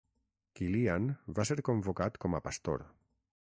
Kilian va ser convocat com a pastor.